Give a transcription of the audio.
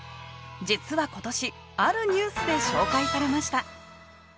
実は今年あるニュースで紹介されました